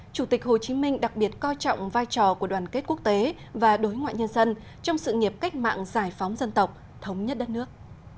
chủ tịch hồ chí minh đặc biệt coi trọng vai trò của đoàn kết quốc tế và đối ngoại nhân dân trong sự nghiệp cách mạng giải phóng dân tộc thống nhất đất nước